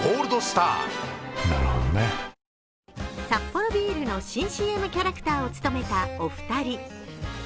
サッポロビールの新ＣＭキャラクターを務めたお二人。